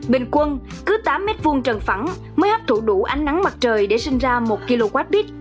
bình quân cứ tám m hai trần phẳng mới hấp thụ đủ ánh nắng mặt trời để sinh ra một kwh